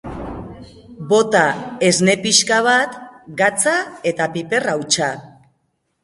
Bota esne pixka bat, gatza eta piper hautsa.